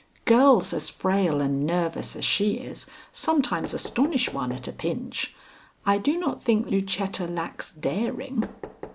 "Girls as frail and nervous as she is, sometimes astonish one at a pinch. I do not think Lucetta lacks daring."